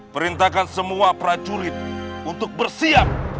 perintahkan semua prajurit untuk bersiap